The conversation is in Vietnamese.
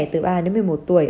từ ba đến một mươi một tuổi